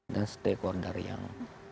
dan stakeholder yang